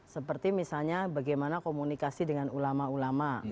seperti misalnya bagaimana komunikasi dengan ulama ulama